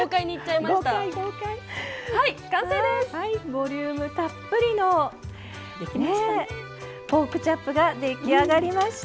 ボリュームたっぷりのポークチャップが出来上がりました。